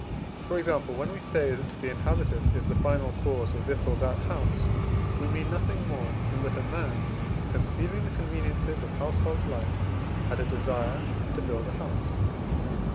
For example, when we say that to be inhabited is the final cause of this or that house, we mean nothing more than that a man, conceiving the conveniences of household life, had a desire to build a house.